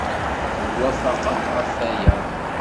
Nemwafaq akk ɣef waya.